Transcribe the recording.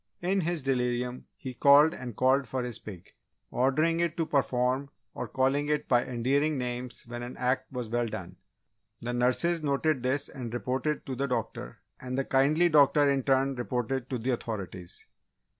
In his delirium he called and called for his pig, ordering it to perform or calling it by endearing names when an act was well done. The nurses noted this and reported to the doctor and the kindly doctor in turn reported to the authorities.